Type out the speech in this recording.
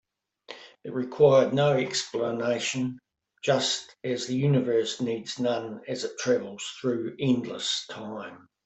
It required no explanation, just as the universe needs none as it travels through endless time.